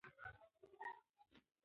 ټولنیز تحلیل د واقعیت ټولې برخې نه راښيي.